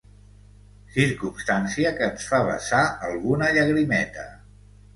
Circumstància que ens fa vessar alguna llagrimeta.